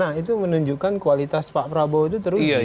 nah itu menunjukkan kualitas pak prabowo itu teruji